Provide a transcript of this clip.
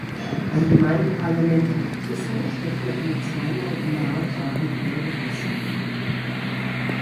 Ein Gemeindeparlament gibt es nicht, dafür eine zweimal im Jahr tagende Bürgerversammlung.